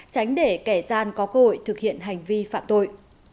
tránh để kẻ gian có cơ hội thực hiện hành vi phạm tội